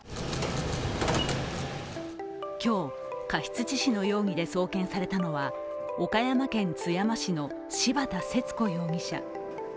今日、過失致死の容疑で送検されたのは岡山県津山市の柴田節子容疑者。